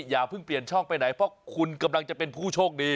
อย่าเพิ่งเปลี่ยนช่องไปไหนเพราะคุณกำลังจะเป็นผู้โชคดี